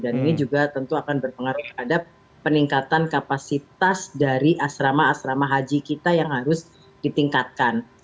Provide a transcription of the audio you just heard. dan ini juga tentu akan berpengaruh pada peningkatan kapasitas dari asrama asrama haji kita yang harus ditingkatkan